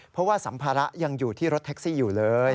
เพราะว่าสัมภาระยังอยู่ที่รถแท็กซี่อยู่เลย